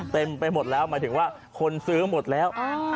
เต็มไปหมดแล้วหมายถึงว่าคนซื้อหมดแล้ว